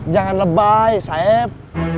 jangan lebay saeb